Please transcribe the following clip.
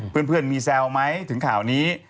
เพื่อนมีแซวไหมถึงข่าวนี้